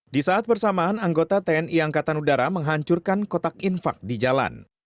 di saat bersamaan anggota tni angkatan udara menghancurkan kotak infak di jalan